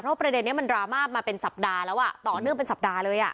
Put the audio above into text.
เพราะประเด็นนี้มันดราม่ามาเป็นสัปดาห์แล้วต่อเนื่องเป็นสัปดาห์เลย